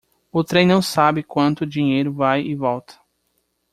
O trem não sabe quanto dinheiro vai e volta.